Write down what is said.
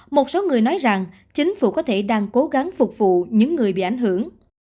một số người nói rằng chính phủ có thể đang cố gắng phục vụ những người bị ảnh hưởng